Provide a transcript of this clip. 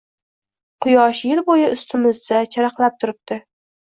Quyosh yil bo‘yi ustimizda charaqlab turibdi.